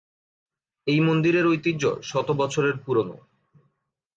এই মন্দিরের ঐতিহ্য শত বছরের পুরনো।